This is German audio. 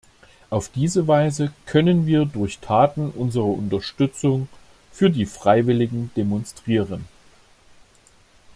Auf diese Weise können wir durch Taten unsere Unterstützung für die Freiwilligen demonstrieren.